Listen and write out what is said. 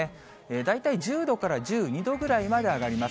大体１０度から１２度ぐらいまで上がります。